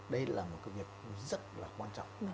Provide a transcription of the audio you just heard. đây là một công việc rất là quan trọng